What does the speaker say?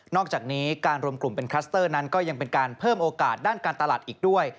อกจากนี้การรวมกลุ่มเป็นคลัสเตอร์นั้นก็ยังเป็นการเพิ่มโอกาสด้านการตลาดอีกด้วย